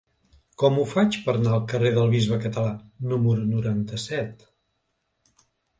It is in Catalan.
Com ho faig per anar al carrer del Bisbe Català número noranta-set?